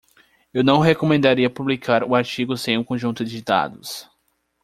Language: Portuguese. Eu não recomendaria publicar o artigo sem o conjunto de dados.